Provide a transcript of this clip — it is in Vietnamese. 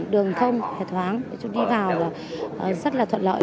đường thông hệt thoáng đi vào là rất là thuận lợi